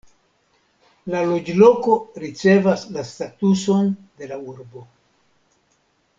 La loĝloko ricevas la statuson de la urbo.